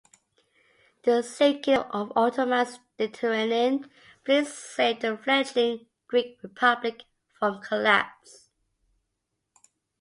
The sinking of the Ottomans' Mediterranean fleet saved the fledgling Greek Republic from collapse.